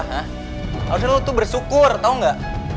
harusnya lu tuh bersyukur tau gak